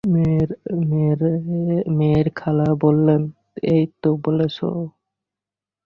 মেয়ের খালা বললেন, এই তো বলেছে।